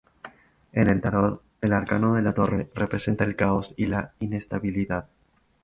En el tarot, el arcano de la torre representa el caos y la inestabilidad.